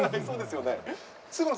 そうですよね。